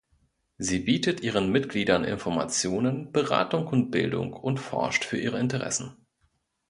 Sie bietet ihren Mitgliedern Informationen, Beratung und Bildung und forscht für ihre Interessen.